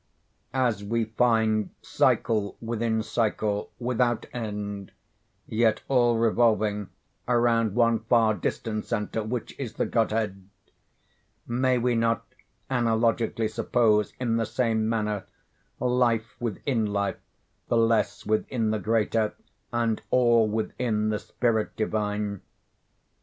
As we find cycle within cycle without end,—yet all revolving around one far distant centre which is the God head, may we not analogically suppose in the same manner, life within life, the less within the greater, and all within the Spirit Divine?